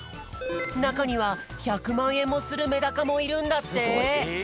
なかには１００まんえんもするメダカもいるんだって。